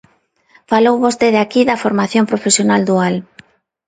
Falou vostede aquí da formación profesional dual.